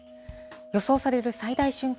予想される最大瞬間